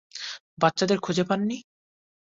বাচ্চাদের খুঁজে পাননি?